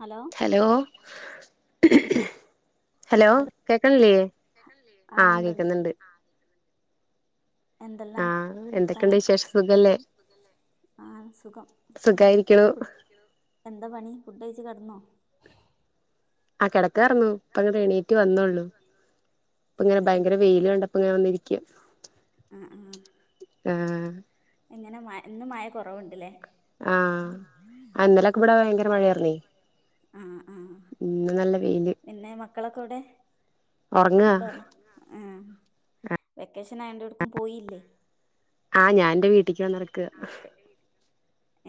Hello hello hello കേക്കണില്ലേ ആ കേക്കുന്നൊണ്ട് എന്തെല്ലാം ആഹ് വർത്താനം വിശേഷം എന്തൊക്കെയുണ്ട് സുഖല്ലേ വിശേഷം സുഖല്ലേ ആ സുഖം സുഖായിരിക്കണു എന്താപണി ഫുഡ്കഴിച്ചു കെടന്നോ ആ കിടക്കാർന്നു ഇപ്പങ്ങട്ട് എണീറ്റു വന്നോള്ളു ഇപ്പ ഇങ്ങനെ ആ ഭയങ്കര വെയിലുകണ്ടപ്പൊ ഇങ്ങനെ വന്നിരിക്കാ ആ ആ ആ എങ്ങനെ മ ഇന്ന് മയ കൊറവുണ്ടല്ലേ ആഹ് ആഹ് ഇന്നലൊക്കെ ഇവിടെ ഇന്നലെ ഭയങ്കര കൂടെ മഴയാർന്നേ ഇവിടെ മഴയാർന്നു ആ ആ ഇന്ന് നല്ല വെയില് പിന്നെ മക്കളൊക്കെവിടെ ഉറങ്ങുവ ഉണ്ടോ ആ വെക്കേഷനായോണ്ട് എവിടേക്കും പോയില്ലേ ആ ഞാൻ എന്റെ വീട്ടിക്ക് വന്നിറെക്കാ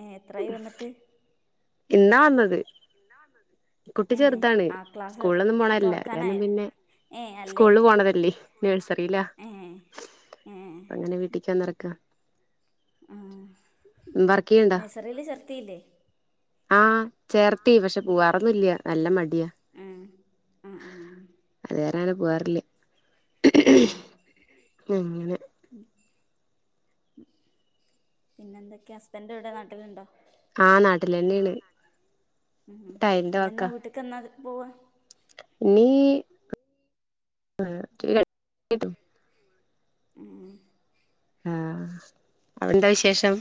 ഏ എത്രായി വന്നിട്ട് ഇന്നാ വന്നത് ഇന്നാ വന്നത് കുട്ടി ചെറുതാണ് സ്കൂളിലൊന്നും പോണയല്ല അതുകാരണം തൊറക്കാനായി പിന്നെ ഏ അല്ലേ സ്കൂളില് പോണതല്ലേ നേഴ്സറീലാ ഏ ഏ അങ്ങനെ വീട്ടിചെന്നെറെക്കാ ആ വർക്ക് നഴ്സറീല് ചേർത്തിയില്ലേ ആ ചേർത്തി പക്ഷെ പൂവാറൊന്നുല്ലൃ നല്ലമടിയാ ആ ആ ആ അതുകാരണമങ്ങനെ പോവാറില്ല ഉം അങ്ങനെ ഉം പിന്നെന്തൊക്കെയാ ഹസ്ബെൻഡെവിടെ നാട്ടിലൊണ്ടോ ആ നാട്ടിൽ ആ തന്നെയാണ് നാട്ടിലന്നെ ഉം ഇനിയെന്നാ വീട്ടിക്ക് എന്നാ പോവാ ഇനീ [unintelligible] ഉം ആ അവിടെന്താ വിശേഷം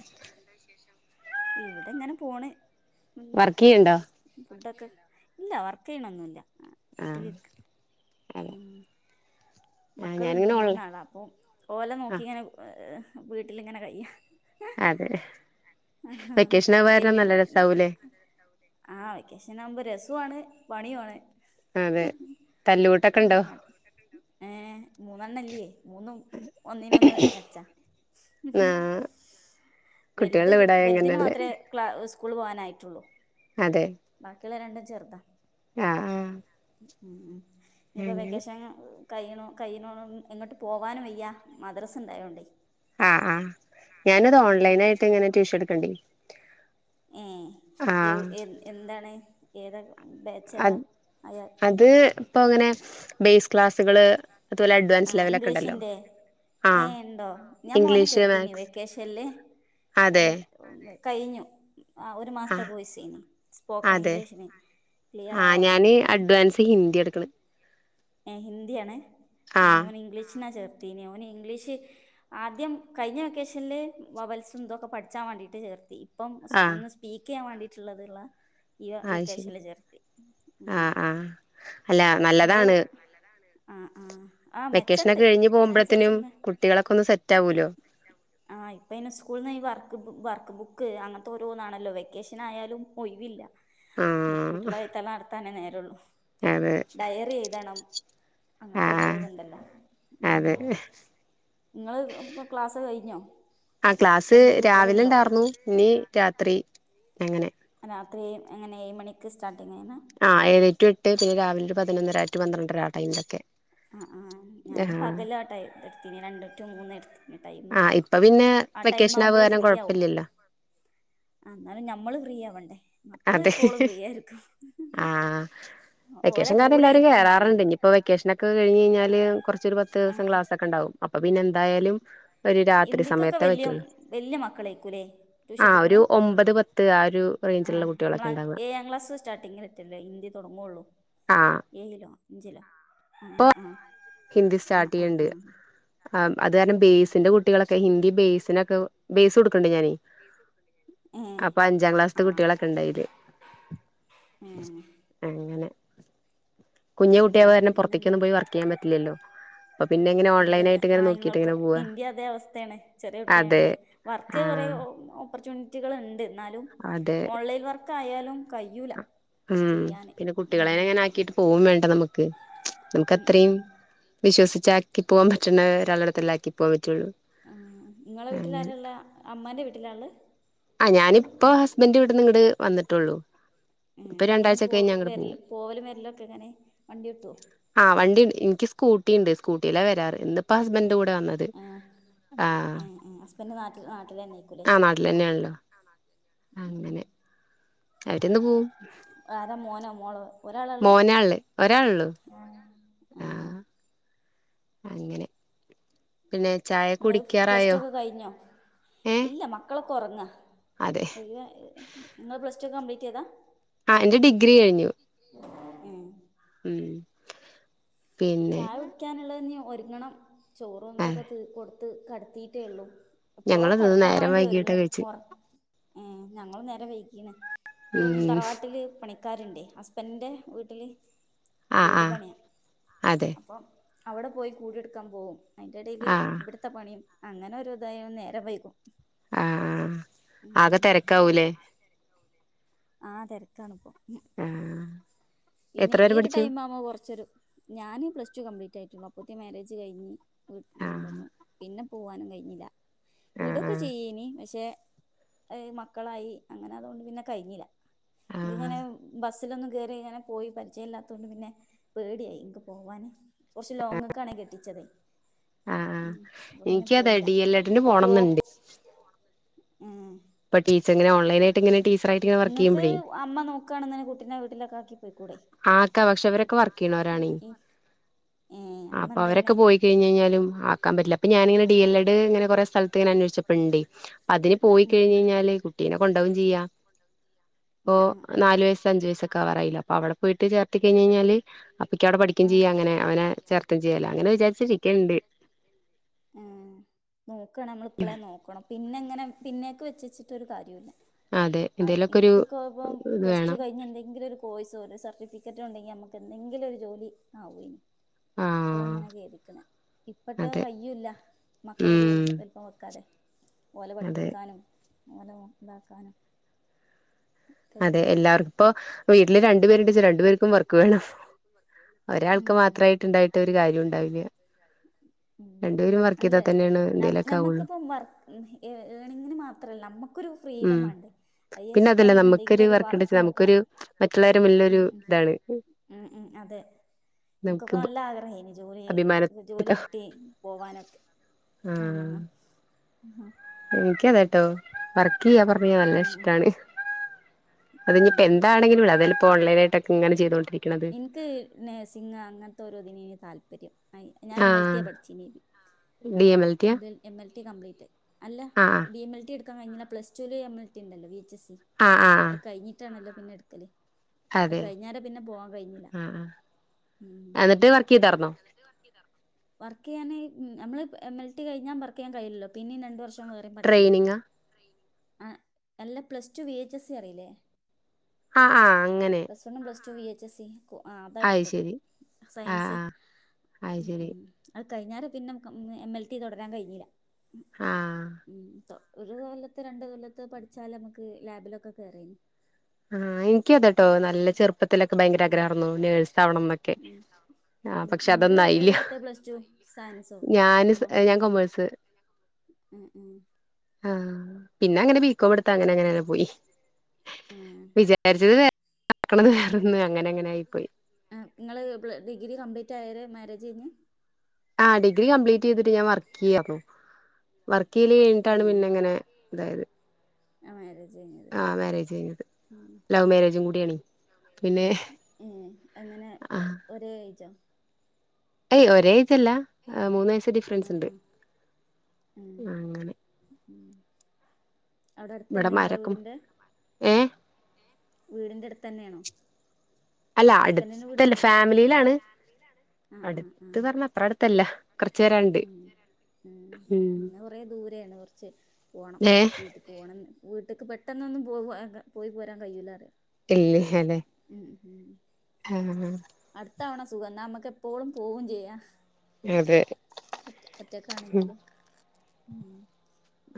ഇവിടിങ്ങനെ പോണ് ഉം വർക്കെയ്യണ്ടോ ഫുഡൊക്കെ ഇല്ല വർക്കെയ്യണൊന്നൂല്ലാ ആ വീട്ടിലിരിക്കാ അതെ മ് ആ മക്കളൊണ്ട് ഞാനിങ്ങനെ ഓൺലൈൻ മൂന്നാളാ അപ്പം ആ ഓലെനോക്കിയിങ്ങനെ വീട്ടിലിങ്ങനെ കയ്യാ അതെ ആ ആഹാ വെക്കേഷൻ ആവാ കാരണം വല്യോം നല്ല രസാവൂലേ ആ വെക്കേഷനാവുമ്പോ രസാണ് പണിയുമാണ് അതെ തല്ലുകൂട്ടൊക്കൊണ്ടോ ഏ മൂന്നാലെണ്ണമില്ലേ മൂന്നും ഒന്നിനൊന്ന് മെച്ചാ ആ വെല്ത് കുട്ടികളുടെ വീടായ വെല്തിന് അങ്ങനെയല്ലേ മാത്രെ ക്ല സ്കൂളി പോകാനായിട്ടുള്ളൂ അതെ ബാക്കിയുള്ള രണ്ടും ചെറുതാ ആഹ് ആഹ് ഉം ഉം ഇഞ്ഞിപ്പോ വെക്കേഷൻ കൈയിനോ കയ്യി എന്നിട്ട് പോകാനും വയ്യാ മദ്രസണ്ടായോണ്ടേ ആഹ് ആഹ് ഞാനത് ഓൺലൈൻ ആയിട്ട് ഇങ്ങനെ ട്യൂഷൻ എടുക്കണ്ടേ ഏഹ് ആ എവ് എന്ത് എന്താണ് ഏതാ ബാച്ചേതാ അത് അയാ അത് ഇപ്പ അങ്ങനെ ബേസ് ക്ലാസ്സുകള് അതുപോലെ അഡ്വാൻസ് ലെവലൊക്കെ ണ്ടല്ലോ ഏഹ് ണ്ടോ ഞാൻ മോനെ ഇംഗ്ലീഷ് ചെർത്തീനു മാത്സ് വെക്കേഷൻല്ലേ അതെ അതെ കയിഞ്ഞു ആഹ് ഒരു മാസത്തെ കോഴ്സ ചെയ്യുന്നെ സ്പോക്കൺ അതെ ഇംഗ്ലീഷിന് ക്ലിയർ ആവാൻ വേണ്ടിട്ടാണ് [unintelligible] ഹിന്ദിയെടുക്കണ് ഏഹ് ഹിന്ദിയണ് ആഹ് ഞാനോനെ ഇംഗ്ലീഷിനാ ചേർത്തനി ഓന് ഇംഗ്ലീഷ് ആദ്യം കഴിഞ്ഞ വെക്കേഷനില് വൗവൽസും ഇതൊക്കെ പഠിച്ചാൻ വേണ്ടിട്ട് ചേർത്തി ഇപ്പം സ്പ് ആഹ് എന്ന് സ്പീക്ക് ചെയ്യാൻ വേണ്ടിട്ടുള്ളത്ള്ള [unintelligible] ഈ അത് ശരി വെക്കേഷനില് ചേർത്തി ഉ ആഹ് ആഹ് അല്ല ഇങ്ങള് നല്ലതാണ് നല്ലതാണ് ആഹ് ആഹ് ആഹ് മെച്ചണ്ട് വെക്കേഷനൊക്കെ കഴിഞ്ഞ് പോകുമ്പോളത്തേനും അയിനനുസരിച്ചുള്ള കുട്ടികളൊക്കെ ഒന്ന് സെറ്റാവൂലോ ആഹ് ഇപ്പൊ ഇന്നെ സ്കൂളിനിന്ന് ഈ വർക്ക് വർക്ക് ബുക്ക് അങ്ങനത്തെ ഓരോന്നാണല്ലോ വെക്കേഷനായാലും ഒയിവില്ല ബുക്ക ആഹ് കുട്ടികള് എഴുത്തല് നടത്താനേ നേരള്ളു അതെ ഡയറി എഴുതണം ആഹ് അങ്ങനത്തോരോന്നണ്ടല്ലോ ഉം അതെ നിങ്ങള് ക്ലാസ് കഴിഞ്ഞോ ആഹ് ക്ലാസ്സ് വല്യ രാവിലെ കുട്ടികളുണ്ടോ ഉണ്ടാർന്നു ഇനി രാത്രി അങ്ങനെ രാത്രി എങ്ങനെ ഏഴ് മണിക്ക് സ്റ്റാർട്ടിങ് ചെയ്യുന്നെ ആഹ് ഏഴ് ടു എട്ട് പിന്നെ രാവിലെ ഒരു പതിനൊന്നര ടു പന്ത്രണ്ടര ആ ടൈമിലൊക്കെ ആഹ് ആഹ് ഞാന് ആഹ് പകലാട്ടാ എടുത്തിനേ രണ്ട് ടു മൂന്ന് എടുത്ത് ടൈം ആഹ് ഇപ്പൊ പിന്നെ ആഹ് ടൈം വെക്കേഷൻ ആവുക ആവുമ്പോളേ കാരണം ഫ്രീയാവും കുഴപ്പമില്ലല്ലോ എന്നാലും ഞമ്മള് ഫ്രീ ആവണ്ടേ മക്കള് അതെ എപ്പോളും ഫ്രീ ആയിരിക്കും ആഹ് ഓലെ വെക്കേഷൻ കാരണം കൂടെ എല്ലാരും ഇരിക്കും വേണം കേറാറുണ്ട് ഞമ്മള് ഇനിയിപ്പ വെക്കേഷനൊക്കെ കഴിഞ്ഞ് കഴിഞ്ഞാല് കൊറച്ചൊരു പത്ത് ദിവസം ആഹ് ക്ലാസൊക്കെ ഉണ്ടാവും അപ്പൊ പിന്നെ എന്തായാലും ഒരു രാത്രി ഇന്തിക്കൊക്കെ സമയത്തേ വല്യ പറ്റുള്ളൂ വല്യ മക്കളേക്കൂലേ ട്യൂഷൻ ആഹ് ഒരു എടുക്കണേ ഒമ്പത് പത്ത് ആ ഒരു റേഞ്ച് ആഹ് നമ്മള അഞ്ച് ഏയാക്ലാസ് സ്റ്റാർട്ടിങ്ങിലറ്റല്ലേ ഹിന്ദി തൊടങ്ങുള്ളൂ ഏഴിലോ അഞ്ചിലോ ആഹ് ഇപ്പൊ ആഹ് ഹിന്ദി ആഹ് ആഹ് സ്റ്റാർട്ടെയ്യണ്ട് ആഹ് ആഹ് അതാരണം ആഹ് [unintelligible] കുട്ടികളൊക്കെ ഹിന്ദി ബേ്സിനൊക്കെ ബേസ് കൊടുക്കണ്ട് ഞാന് ഏഹ് അപ്പൊ അഞ്ചാം ക്ലാസ്ത്തെ കുട്ടികളൊക്കെ ഇണ്ടയില് ഉം അങ്ങനെ കുഞ്ഞു കുട്ടിയെ ഉം കാരണം പുറത്തേക്കൊന്നും പിന്നെന്തൊക്കെ പോയി വർക്ക് ചെയ്യൻ പറ്റില്ലല്ലോ അപ്പൊ പിന്നെ ഇങ്ങനെ ഓൺലൈൻ ഇല്ലല്ല ആയിട്ട് ഇങ്ങനെ ആഹ് നോക്കിട്ട് ഇങ്ങൾക്കും ഇങ്ങനെ പോവാ ഇൻ്റേം അതേ അവസ്ഥയാണ് ചെറിയ അതെ കുട്ടിയായോണ്ട് വർക്ക് കൊറേ ആഹ് ഓപ്പർച്യൂണിറ്റികൾ ണ്ട് എന്നാലും അതെ ഓൺലൈൻ വർക്ക് ആയാലും കഴിയൂല ഉം ചെയ്യാന് പിന്നെ കുട്ടികളെനെ ഉം അങ്ങനെ ആക്കിട്ട് പോകും വേണ്ടേ നമുക്ക് നമുക്ക് ഉം അത്രയും ഉം വിശ്വസിച്ച് ആക്കി പോകാൻ പറ്റുന്ന ഒരാ ളടത്തല്ലേ ആക്കി പോവാൻ പറ്റുള്ളൂ നിങ്ങളെ അങ്ങനെ വീട്ടിലാരാ ഉള്ളേ അമ്മാൻ്റെ വീട്ടിലാ ഇള്ള് ആഹ് ഞാനിപ്പോ ഹുസ്ബൻഡ് വീട്ടീന്ന് ഇങ്ങട്ട് വന്നിട്ട് ഒള്ളൂ ആഹ് അങ്ങനെ പോൽ പോവലും വരലൊക്കെ അങ്ങനെ വണ്ടി വിട്ടുമോ ആഹ് വണ്ടി എനിക്ക് സ്കൂട്ടി ഉണ്ട് സ്കൂട്ടിയിലാ വരാറ് ഇന്നിപ്പോ ഹസ്ബൻഡ കൂടെ വന്നത് ആ ആ ഹസ്ബൻഡ് നാട്ട നാട്ടിൽ തന്നെയ്ക്കല്ലേ ആ നാട്ടിൽ തന്നെയാണല്ലോ അങ്ങനെ അവരിന്ന് പോവും ആരാ മോനോ മോളോ മോനാ ഉള്ളേ ഒരാൾ ഉള്ളു ആഹ് അങ്ങനെ പിന്നെ ചായ നിങ്ങൾ പ്ലസ് ടു കുടിക്കാറായോ ഒക്കെ കഴിഞ്ഞോ ഏ ഇല്ലമ മക്കൾ ഒക്കെ ഉറങ്ങ അതെ പിന്നെ ഇങ്ങൾ പ്ലസ് ടു ഓക്കേ കംപ്ലീറ്റ് ചെയ്താ ആഹ് എന്റെ ഡിഗ്രി കഴിഞ്ഞു ഉം ഉം [inaudible] പിന്നെ ചായ കുടിക്കാനുള്ളെ നീ ഒരുങ്ങണം ചോറും ആ ഇതൊക്കെ തീ കൊണ്ടു ത്ത് കടത്തിയിട്ടേ ഉള്ളു എപ്പഴോ ഞങ്ങളിത് കടക്കാൻ നേരം വേണ്ടി വൈകിട്ടാ ഒരുങ്ങും കഴിച്ചെ ഓറ ഏഹ് ഞങ്ങൾ നേരം വെയ്കിണ് ഇപ്പൊ ഉം തറവാട്ടില് പണ ക്കാര്ണ്ട് ഹസ്ബൻ്ന്റെ വീട്ടില് ആഹ് വീട് ആഹ് പണിയാ അതെ അപ്പം അവിടെ പോയി കൂടിയെടുക്കാൻ പോകും അയിന്റെ എടേൽ ആഹ് ഇബഡ് താ പണി അങ്ങനെ ഒരു ഇതായ നേരം വെയ്ക്കും ആഹ് ആകെ തെരക്കാവൂലേ ആഹ് തെരക്കാണ്പ്പോ ഉം ആഹ് പിന്നെ എത്ര ഈ വരെ ഒരു പഠിച്ചു ടൈം ആവുമ്പോ കുറച്ചൊരു ഞാന് പ്ലസ് ടു കംപ്ലീറ്റ് ആയിട്ടുള്ളു അപ്പോയെക്കും മാരേജ് കഴിഞ് വീട്ട് ആഹ് കൊണ്ടന്നു പിന്നെ പോവാനും കഴിഞ്ഞില്ല ആഹ് വീടൊക്കെ ചെയ്യയ്നീ പക്ഷെ മക്കളായി അങ്ങനെ അതുകൊണ്ട് പിന്നെ കഴിഞ്ഞില്ല ആഹ് ഇൻക്കിങ്ങനെ ബസ്സിലൊന്നും കേറി ഇങ്ങനെ പോയി പരിചയല്ലാത്ത കൊണ്ട് പിന്നെ പേടിയായി ഇൻക്ക് പോകാൻ കുറച്ച് ലോങ്ങ്‌ക്കാണ് കെട്ടിച്ചത് ആഹ് ഉം അപ്പൊങ്ങനെ എനിക്കതെ പോയില്ല ഡി എൽ എഡിന് അപ്പൊ പോ പോണംന്നുണ്ട് ഉം ഇപ്പൊ ടീച്ചങ്ങനാ ഓൺലൈനായിട്ട് ഇങ്ങനെ ടീച്ചറായിട്ട്ങ്ങനെ വർക്ക് ഇങ്ങക്ക് ചെയ്യുമ്പോൾ അമ്മ നോക്കാൺ ഇന്നെ കുട്ടിനെ വീട്ടിലൊക്ക ആക്കി പോയിക്കൂടെ ആക്കാ പക്ഷെ അവരൊക്കെ വർക്ക് ചെയ്യുന്നവരാണ് ഏ അമ്മ അപ്പൊ എന്താ അവരൊക്കെ ചെയ്യണേ പോയി കഴിഞ്ഞ് അപ്പൊ കഴിഞ്ഞാലും ആക്കാൻ പറ്റില്ല പ്പ ഞാനിങ്ങനെ ഡി എൽ എഡ് ഇങ്ങനെ കൊറെ സ്ഥലത്ത് ഇങ്ങന അന്വേഷിച്ചപ്പൊ ഇണ്ട് അതിന് പോയി കഴിഞ് ഇങ്ങനെ കഴിഞ്ഞല് കു കുട്ടീനെ കൊണ്ടകും ചെയ്യാം ഇപ്പൊ ആ ആ നാല് വയസ് അഞ്ചു വയസൊക്കെ ആവാറായില്ലേ അപ്പൊ അവിടെ പോയിട്ട് ചേർത്തി കഴിഞ് കഴിഞ്ഞാല് അപ്പൊ അവിടെ പഠിക്കും ആ ആ ചെയ്യുക അങ്ങനെ അവനെ ചെയ്യാല അങ്ങനെ വിചാരിച്ചിരിക്കുണ്ട് ആഹ് നോക്കണ നമ്മൾ ഇപ്പളെ നോക്കണം പിന്നെ എങ്ങനെ പിന്നേക്ക് വെച്ചച്ചിട്ടൊരു കാര്യവുമില്ല അതെ അത് എന്തേലൊക്കെ ഒരു ഇൻക്കൊക്കപ്പം ഇത് പ്ലസ് ടു വേണം കയിഞ്ഞ് എന്തെങ്കിലും ഒരു കോഴ്സോ ഒരു സർട്ടിഫിക്കറ്റോ ഉണ്ടെങ്കി നമുക്ക് എന്തെങ്കിലും ഒരു ജോലി ആവുയേന്ന് ഇപ്പളാ ആഹ് ഇങ്ങനെ ഖേദിക്ക്ണ് ഇപ്പട്ട് അതെ കയ്യുംല്ല മക്കളൊരു വൽ ഉം താ വൽ നോക്കാതെ ഓലെ അതെ പഠിപ്പിക്കാനും ഓലെ നോ ഇതാക്കാനും ഒക്കെന്നെ അതെ പണി എല്ലാർക്കും ഇപ്പോ വീട്ടില് രണ്ടുപേരുണ്ട്ച്ച രണ്ടു പേർക്കും വർക്ക് വേണം ഒരാൾക്ക് ഉം മാത്രമായിട്ട് ഇണ്ടായിട്ട് ഒരു കാര്യം ഉണ്ടാവില്ല [unintelligible] രണ്ടുപേരും വർക്കെയ്താ തന്നേണ് നമ് നമ്മക്കിപ്പം വർക്ക് ഏ ഏണിങ്ങിന് മാത്രല്ല നമ്മക്കൊരു ഫ്രീഡം ഉം മാണ്ടേ അയ് പിന്നെ വിചാരിച്ചിട്ടാ അതല്ല പിന്നെന്തെ ന്തെകിലും നമുക്കൊരു ഒരു ഉണ്ടെച്ച വർക്ക് നോക്ക്‌ണ് നമുക്കൊരു മറ്റുള്ളവരെ ഉം മുന്നിലൊരു ഉം ഇതാണ് ഉം ഉം അതെ ഇൻക്കൊക്കെ നമുക്ക് നല്ല ആഗ്രഹേനി ജോലി അഭിമാന ജോലി കിട്ടി പോവാനൊക്കെ ആഹ് ആഹ് ആഹ് ആ എനിക്കതേട്ടോ വർക്ക് ചെയ്യാ പറഞ്ഞ് കഴിഞ്ഞാ നല്ല ഇഷ്ടാണ് ഹ് അതിഞിപ്പോ ഇഷ്ടാണ് എന്താണങ്കിലും അതല്ലെ ഇപ്പൊ ഓൺലൈനായിട്ടൊക്കെ ഇങ്ങനെ ചെയ്തോണ്ടിരിക്കണത് ഇൻക്ക് നേഴ്സിങ് അങ്ങൻത്തെ ഓരോന്നിനേഴ്ന്ന് താല്പര്യം അയ് ഞാൻ എം എൽ ടി ആഹ് ആ പഠിച്ചീന്നെ ഡി എം എൽ ആ എം എൽ ടി കംപ്ലീറ്റ് ആയി അല്ല ആ പി എം എൽ ടി എടുക്കാ കഴിഞ്ഞിന്ന പ്ലസ് ടുവിന് എം എൽ ടി ഉണ്ടല്ലോ വി എച്ച് സി ആഹ് ആഹ് അത് കഴിഞ്ഞിട്ടാണല്ലോ പിന്നെ എടുക്കല് ആഹ് അത് അതെ കഴിഞ്ഞാരെ പിന്നെ പോവാൻ കഴിഞ്ഞില്ല ആഹ് ഉം ഉം ആഹ് എന്നിട്ട് വർക്ക് ചെയ്താർന്നോ അതെ വർക്ക് ചെയ്യാന് നമ്മളെ എം എൽ ടി കഴിഞ്ഞാ വർക്ക് ചെയ്യാൻ കഴിയില്ലല്ലോ പിന്നിം രണ്ട് വർഷം വെ ട്രൈയിനിങ്ങാ അ എല്ല plus two V H S C അറിയില്ലേ? ആ ആ അങ്ങനെ plus one plus two V H S C. കൊ ആ അത് അതായെടുത്തത് ശരി ആഹ് സയൻസ് ആഹ് അത് ഉം ശരി ഉം. അത് കഴിഞ്ഞാരെ പിന്നെ നമുക്ക് ഉം എം എൽ ടി തൊടരാൻ കഴിഞ്ഞീല ആഹ് ഉം തൊ.. ഒരു കൊല്ലത്ത് രണ്ടു കൊല്ലത്ത് പഠിച്ചാല് നമക്ക് ലാബിലൊക്കെ കേറേയ്ന്ന് ആഹ് എനിക്കതേട്ടോ നല്ല ചെറുപ്പത്തിലൊക്കെ ഭയങ്കര ആഗ്രഹായിരുന്നു നേഴ്സ് ആവണം എന്നൊക്കെ.. മ് അ.. ആഹ് ഉം പക്ഷെ ഇങ്ങള് അതൊന്നും ആയില്ല ഏതേട്ത്ത് പ്ലസ് ടു സയൻസോ ഞാന് കൊമേഴ്സോ? ഞാൻ കൊമേഴ്സ് ഉം ഉം ആഹ് പിന്നെ അങ്ങനെ ബീക്കോമെടുത്ത് അങ്ങനെ അങ്ങനെങ്ങനെ പോയി. ഉം വിചാരിച്ചത് വേ [unintelligible] നടക്കണത് വേറൊന്ന് അങ്ങനെ അങ്ങനെ ആയിപ്പോയി. ഏം ഇങ്ങള് പ്ല ഡിഗ്രി കംപ്ലീറ്റ് ആയേരേ മേരേജ് കഴിഞ്ഞ്? ആ ഡിഗി കംപ്ലീറ്റ് ചെയ്തിട്ട് ഞാൻ വർക്കെയ്യാരുന്നു, വർക്കെയ്യല് കഴിഞ്ഞിട്ടാണ് പിന്നെ ഇങ്ങനെ ഇതായത്. ആ മാരേജ് കയിഞ്ഞതല്ലേ ആഹ് മാരേജ് കഴിഞ്ഞത് ആ.. ലവ് മാരേജും കൂടിയാണെ പിന്നെ ഏ എങ്ങനെ പ് ആഹ് ഒരേ ഏജോ, ഏയ് ഒരേ ഏജല്ല അ മൂന്ന് വയസ്സ് ഡിഫ്റൻസ് ഉണ്ട് ഉണ്ട് ഉം അങ്ങനെ.. ഉം അവിടെ ഇവിടെ അടുത്തന്നെ ഇങ്ങളെ മരക്കും വീടിന്റെ.. ഏഹ് വീടിന്റെ അടുത്തന്നേണോ? അല്ല അടുത്തല്ല ഫാമിലിയിലാണ് ആഹ് ആഹ് അടുത്ത് ആഹ് പറഞ്ഞ അത്ര അടുത്തല്ല. കൊറച്ച് വരാ.. ഉം ഉം പിന്നെ കൊറേ ദൂരേണ് കൊറച്ച് പോണം ഏഹ് വീട്ട്.. പോണം വീട്ടക്ക് പെട്ടെന്നൊന്നും പോ പോയി പോരാൻ കയ്യുല പറയ ഇല്ല്യ ഹാലെ ഉം ഉം ആഹ് അടുത്തവണ സുഖം എന്ന നമുക്ക് എപ്പോഴും പോവും ചെയ്യാ അതെ ഒറ്റ ഒറ്റക്കാണെങ്കിലും ഉം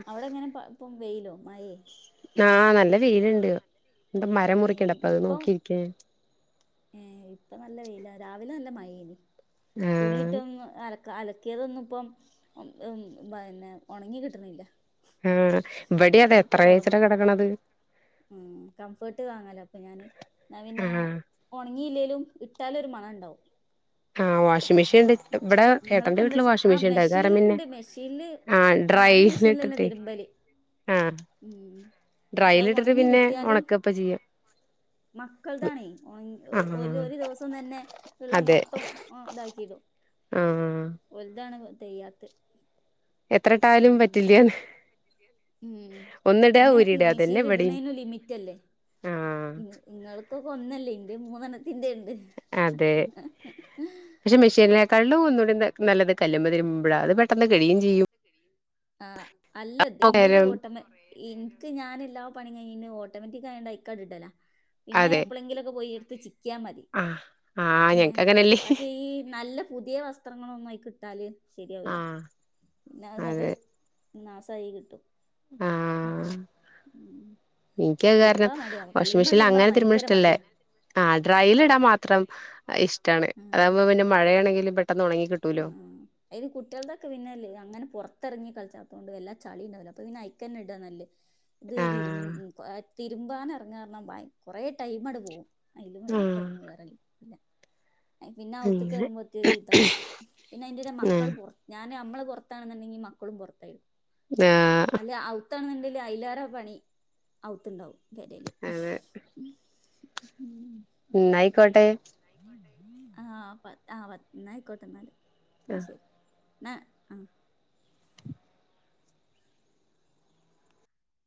അവിടെ എങ്ങനെ പ ഒപ്പം വെയിലോ മഴേ ആഹ് നല്ല വെയിൽണ്ട് എന്ത മരം ആ മുറിക്കുണ്ട അപ്പ അത് നോക്കിയിരിക്കേ ഞ ഏഹ് ഇപ്പ നല്ല വെയില രാവിലെ നല്ല മഴയിനി ആഹ് തുണിയിട്ടും അല ക അലക്കിയതൊന്നും ഇപ്പം ഉം മ പിന്നെ ഉണങ്ങി കിട്ടണില്ല ആഹ് ഇവിടെ അതേ ഇനിയിപ്പോ എത്രച്ചിട്ട തൊടങ്ങും കിടക്കണത് ഉം കംഫേർട്ട് വാങ്ങാലോ അപ്പൊ ഞാന് എന്നാ പിന്നെ ആഹ് ഉണങ്ങിയില്ലെലും ഇട്ടാലൊരു മണ ഉണ്ടാവും ആഹ് വാഷിംഗ് മെഷീൻണ്ട് ഇവിടെ ഏട്ടന്റെ നിങ്ങളൊക്കെ എന്താ വീട്ടില് ചെയ്യ വാഷിങ് ആ മെഷീൻ ഉണ്ട് അത് കാരം പിന്നെ മെഷീനിലുണ്ട് മെഷീനില് ആഹ് ഞാന് ഡ്രൈൽ മെഷീനിലന്നെ ഇട്ടിട്ടേ തിരുമ്പല് ആഹ് ഉം പക്ഷെ ഡ്രൈൽ ഇട്ടിട്ട് ഉണങ്ങി പിന്നെ കിട്ടിയാലും ഉണക്കപ്പ ചെയ്യാം മക്കൾതാണേ ഒണ ഒരു ആഹ് ഒരു ദിവസം തന്നെ ഉള്ള അതെ മൊത്തം ഇതാക്കിടും ആഹ് വലുതാണ് തെയ്യാത്തെ എത്ര ഇട്ടാലും ഉം എത്ര പറ്റില്ലന്ന് ഇട്ടാലും ഉം ഒന്നിടാ പിന്നെ ഊരിടാ അതന്നെ മെഷീൽ ഇവിടെയും ഇടുണേലും ലിമിറ്റ് അല്ലേ ആഹ് പിന്ന നിങ്ങൾക്കൊക്കെ ഒന്നല്ലേ ഇന്റെ മൂന്നെണത്തിന്റെണ്ട് അതെ പക്ഷെ മെഷീനെക്കാലും ഒന്നുകൂടി ന നല്ലത് കല്ലുമേ തിരുമ്പോഴാ അത് പെട്ടെന്ന് കഴുയും ചെയ്യും ആഹ് അല്ല ഇതി ന്റെ ത് നേരം ഓട്ടമ ഇൻക്ക് ഞാൻ എല്ലാ പണി കഴിഞ്ഞ ഓട്ടോമാറ്റിക് ആയുണ്ട് അയക്കണ്ട് ഇടലാ പിന്നെ അതെ എപ്പോളെങ്കിലൊക്കെ പോയി എടുത്ത് ചിക്കിയാ മതി ആഹ് ആഹ് ഏഹ് ഞങ്ങക്കങ്ങനെ പക്ഷെ ഈ നല്ല പുതിയ വസ്ത്രങ്ങളൊന്നും അയ് കിട്ടാല് ശരിയാവുല ആഹ് പിന്നെ അത് ഇങ്ങട്ട് അതെ നാസായി കിട്ടും ഉം ഇനിക്കത് കാരണം തിരുമ്പാൻ മടിയാ വാഷിംഗ് കല്ലുമ്മെ മെഷീനിൽ തിരുമ്പാൻ അങ്ങനെ തിരുമ്പണത് ഭയങ്കര ഇഷ്ടല്ലേ മടിയാ. ആഹ് ഡ്രൈൽ ഇടാൻ മാത്രം അയി ഇഷ്ടാണ് ആഹ് അതാവുമ്പോ പിന്നെ മഴയാണെങ്കിലും പെട്ടെന്ന് ഉണങ്ങി കിട്ടൂലോ അത് കുട്ടികളതൊക്കെ പിന്നെല്ലേ അങ്ങനെ പുറത്തിറങ്ങി കളിച്ചാത്ത്ണ്ട് വല്ലാ ചളിണ്ടാവുല അപ്പൊ പിന്ന അയിക്കന്നെ ഇടാ നല്ലത് ഇത് തിരു ആഹ് തിരുമ്പാനറങ്ങാരണം ബൈ കുറേ ടൈം എടുക്കും അയിലും വലിയ ആഹ് ടൈം വേറെ ഇല്ല പിന്നെ പിന്നെ അവുത്ത് അങ്ങനെ കേറുമ്പോത്തിന് ഒരു വിധാവും പിന്നെ അയിന്റെടെ മക്കൾ പൊർ ഞാന് നമ്മള് പൊറത്താണ്ന്നുണ്ടെങ്കിൽ മക്കളും പുറത്തായിരുന്നു ആഹ് അല്ല ഔത്താണെന്നുണ്ടെല് അയിലാറ പണി ഔത്തുണ്ടാവും പെരേല് അതെ ഇന്നയികോട്ടെ ആഹ് പൻ ആ പൻന്ന ഇന്നാ ആയിക്കോട്ടെ ഇന്നാല് ആ ആഹ് ശരി ണെ ആഹ്